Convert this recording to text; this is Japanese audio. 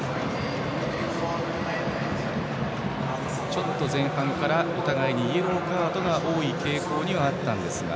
ちょっと前半からお互いにイエローカードが多い傾向にあったんですが。